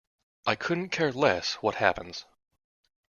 I couldn't care less what happens.